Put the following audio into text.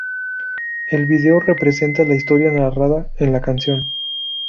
El video representa la historia narrada en la canción.